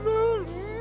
うん。